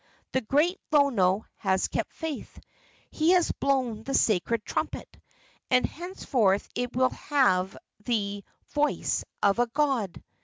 The great Lono has kept faith. He has blown the sacred trumpet, and henceforth it will have the voice of a god!"